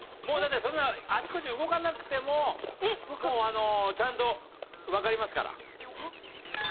もうだってそんなあちこち動かなくてももうあのちゃんとわかりますから。